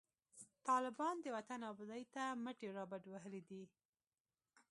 طالبان د وطن آبادۍ ته مټي رابډوهلي دي